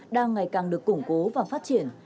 đang ngày càng được củng cố và phát triển